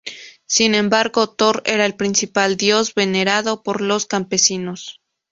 Sin embargo Thor era el principal dios venerado por los campesinos.